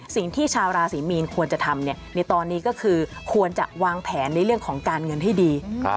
สิ่งที่ชาวราศีมีนควรจะทำในตอนนี้ก็คือควรจะวางแผนในเรื่องของการเงินให้ดี